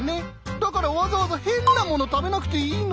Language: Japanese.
だからわざわざヘンなもの食べなくていいの。